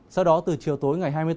sau đó từ chiều tối ngày hai mươi bốn